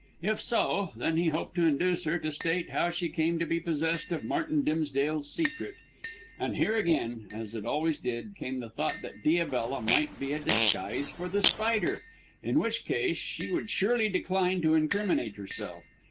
If so, then he hoped to induce her to state how she came to be possessed of Martin Dimsdale's secret. And here again, as it always did, came the thought that Diabela might be a disguise for The Spider, in which case she would surely decline to incriminate herself.